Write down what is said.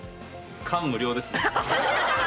感無量ですね。